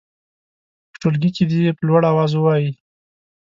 په ټولګي کې دې یې په لوړ اواز ووايي.